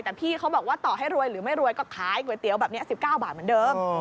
แต่พี่เขาบอกว่าต่อให้รวยหรือไม่รวยก็ขายก๋วยเตี๋ยวแบบนี้๑๙บาทเหมือนเดิม